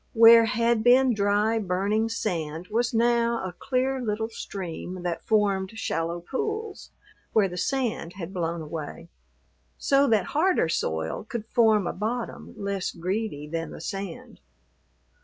Where had been dry, burning sand was now a clear little stream that formed shallow pools where the sand had blown away, so that harder soil could form a bottom less greedy than the sand.